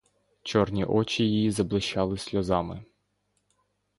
Чорні очі її заблищали сльозами.